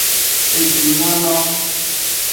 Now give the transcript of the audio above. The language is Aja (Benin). Ejunono.